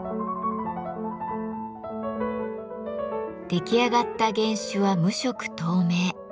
出来上がった原酒は無色透明。